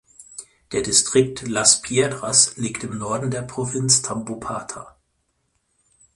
Der Distrikt Las Piedras liegt im Norden der Provinz Tambopata.